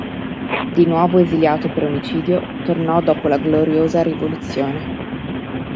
Di nuovo esiliato per omicidio, tornò dopo la Gloriosa Rivoluzione.